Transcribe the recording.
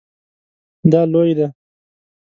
دا لوی دی